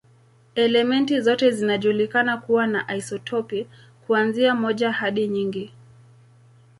Elementi zote zinajulikana kuwa na isotopi, kuanzia moja hadi nyingi.